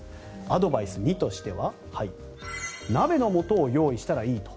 アドバイス２としては鍋のもとを用意したらいいと。